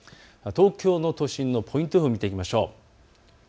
東京の都心のポイント予報を見ていきましょう。